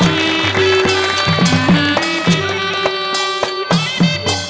มีชื่อว่าโนราตัวอ่อนครับ